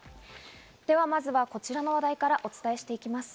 では、まずはこちらの話題からお伝えしていきます。